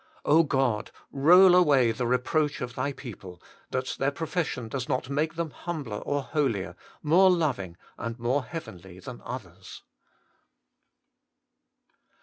God ! roll away the reproach of Thy people, that their profession does not make them humbler or holier, more loving, and more heavenly than others.